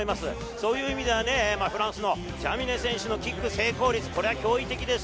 そういう意味で、フランスのジャミネ選手のキック成功率、これは脅威的です。